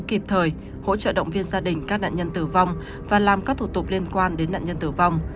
kịp thời hỗ trợ động viên gia đình các nạn nhân tử vong và làm các thủ tục liên quan đến nạn nhân tử vong